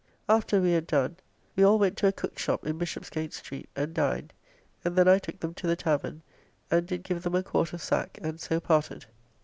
After we had done we all went to a cook's shop in Bishopsgate Street and dined, and then I took them to the tavern and did give them a quart of sack, and so parted.